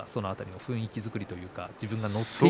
雰囲気作りというか。